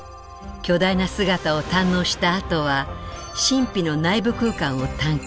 巨大な姿を堪能したあとは神秘の内部空間を探検。